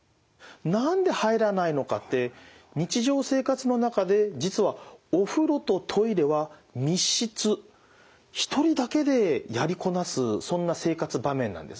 何で入らないのかって日常生活の中で実はお風呂とトイレは密室１人だけでやりこなす